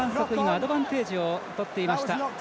アドバンテージをとっていました。